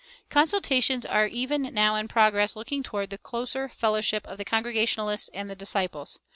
Consultations are even now in progress looking toward the closer fellowship of the Congregationalists and the Disciples.